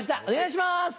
お願いします！